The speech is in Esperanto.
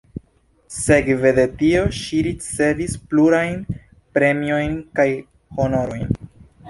Sekve de tio ŝi ricevis plurajn premiojn kaj honorojn.